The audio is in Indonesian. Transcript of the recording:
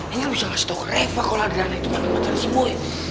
angel bisa ngasih tau ke reva kalo ada anak itu makan maceran si boy